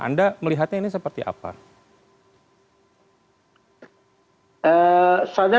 anda melihatnya ini seperti apa